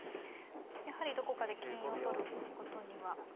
やはりどこかで金を取ることには。